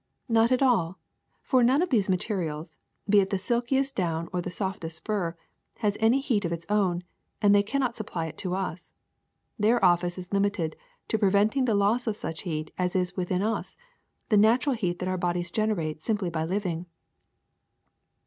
*'Not at all; for none of these materials, be it the silkiest dowTi or the softest fur, has any heat of its own, and they cannot supply it to us. Their office is limited to preventing the loss of such heat as is within us, the natural heat that our bodies generate simply by living.